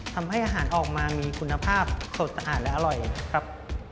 ทำให้อาหารออกมามีคุณภาพสดสะอาดและอร่อยครับ